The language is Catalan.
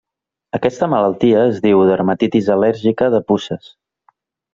Aquesta malaltia es diu dermatitis al·lèrgica de puces.